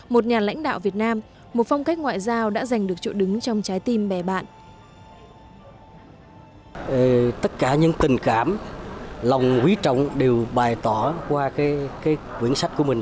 một nhà lãnh đạo việt nam một phong cách ngoại giao đã giành được chỗ đứng trong trái tim bè bạn